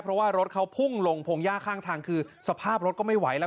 เพราะว่ารถเขาพุ่งลงพงหญ้าข้างทางคือสภาพรถก็ไม่ไหวแล้ว